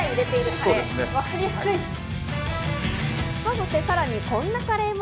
そして、さらにこんなカレーも。